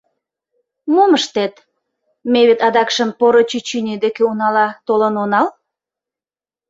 Мом ыштет, ме вет адакшым поро чӱчӱньӧ деке унала толын онал.